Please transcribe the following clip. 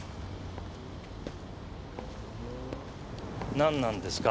何なんですか？